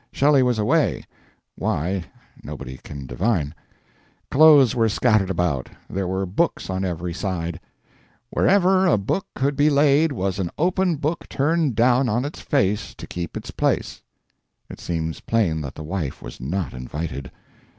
Shelley was away why, nobody can divine. Clothes were scattered about, there were books on every side: "Wherever a book could be laid was an open book turned down on its face to keep its place." It seems plain that the wife was not invited.